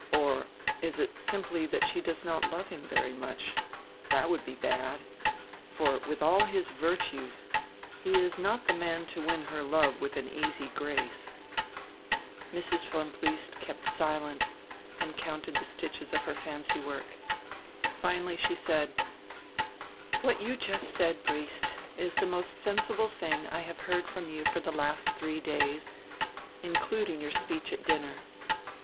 Or is it simply that she does not love him very much? That would be bad. For with all his virtues he is not die man to win her love with an easy grace." Mrs. von Briest kept silent and counted die stitches of her fancy work. Finally she said: "What you just said, Briest, is die most sensible tiling I have heard from you for die last three days, including your speech at dinner.